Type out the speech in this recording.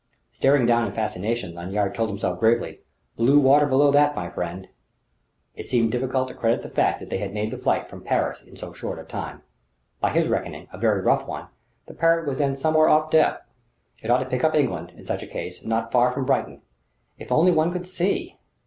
Staring down in fascination, Lanyard told himself gravely: "Blue water below that, my friend!" It seemed difficult to credit the fact that they had made the flight from Paris in so short a time. By his reckoning a very rough one the Parrott was then somewhere off Dieppe: it ought to pick up England, in such case, not far from Brighton. If only one could see...!